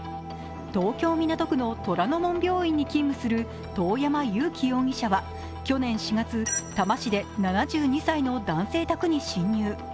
東京・港区の虎の門病院に勤務する遠山友希容疑者は去年４月、多摩市で７２歳の男性宅に侵入。